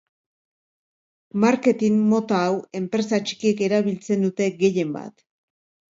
Marketin mota hau enpresa txikiek erabiltzen dute gehienbat.